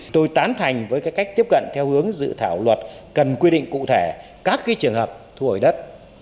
tôi tán thành với cách tiếp cận theo hướng dự thảo luật cần quy định cụ thể các trường hợp thu hồi đất